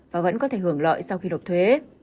và vẫn có thể hưởng lợi sau khi đột thuê